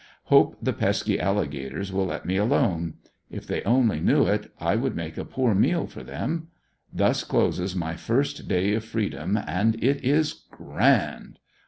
Hope the pesky alligators will let me alone If they only knew it, I would make a poor meal for them. Thus closes my first day of freedom and it is grand.